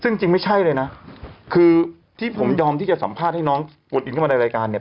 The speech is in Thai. ซึ่งจริงไม่ใช่เลยนะคือที่ผมยอมที่จะสัมภาษณ์ให้น้องกวดอินเข้ามาในรายการเนี่ย